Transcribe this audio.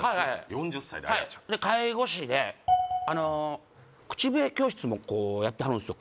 ４０歳でアヤちゃんはいで介護士で口笛教室もやってはるんすよ